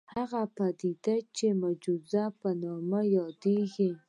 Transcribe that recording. هغه پديده چې د معجزې په نامه يادېږي.